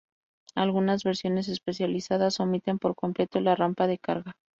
Algunas versiones especializadas omiten por completo la rampa de carga.